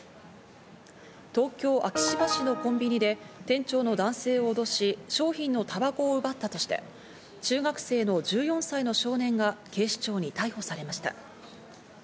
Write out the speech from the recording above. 東京・昭島市のコンビニで店長の男性を脅し、商品のたばこを奪ったとして、中学生の１４歳の少年が警視庁に逮捕されました。